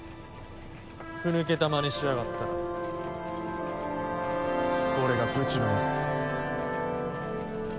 ふ抜けたまねしやがったら俺がぶちのめす。